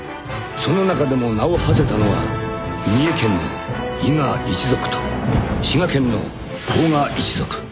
その中でも名をはせたのは三重県の伊賀一族と滋賀県の甲賀一族］